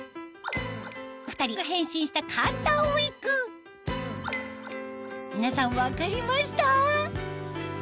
２人が変身した簡単ウィッグ皆さん分かりました？